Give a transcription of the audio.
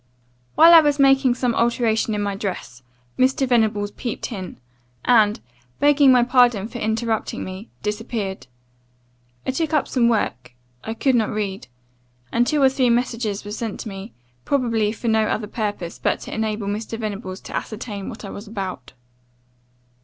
"While I was making some alteration in my dress, Mr. Venables peeped in, and, begging my pardon for interrupting me, disappeared. I took up some work (I could not read), and two or three messages were sent to me, probably for no other purpose, but to enable Mr. Venables to ascertain what I was about.